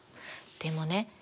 でもね